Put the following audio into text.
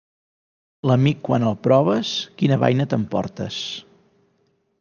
A l'amic, quan el proves, quina baina t'emportes.